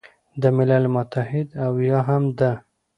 د ملل متحد او یا هم د